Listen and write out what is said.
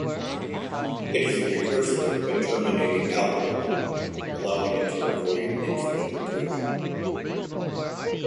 It is a recursive but terminating algorithm, allowing it to avoid infinite recursion.